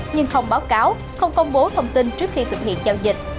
nhưng không báo cáo không công bố thông tin trước khi thực hiện giao dịch